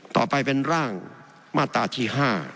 ต่อไปเป็นร่างมาตราที่๕